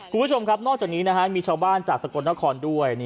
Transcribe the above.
คุณผู้ชมครับนอกจากนี้มีชาวบ้านจากสกลนครด้วย